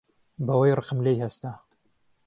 بە وەی ڕقم لێی هەستا